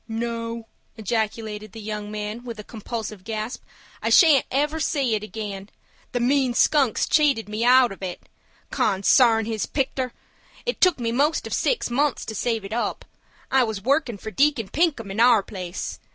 "No," ejaculated the young man, with a convulsive gasp. "I shan't ever see it again. The mean skunk's cheated me out of it. Consarn his picter! It took me most six months to save it up. I was workin' for Deacon Pinkham in our place.